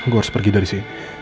gue harus pergi dari sini